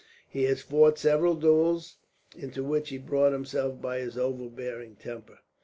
He has fought several duels, into which he brought himself by his overbearing temper."